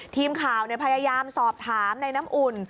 ทีมข่าวพยายามสอบถามในน้ำอุ่น